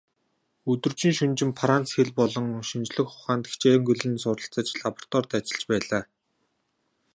Өдөржин шөнөжин Франц хэл болон шинжлэх ухаанд хичээнгүйлэн суралцаж, лабораторид ажиллаж байлаа.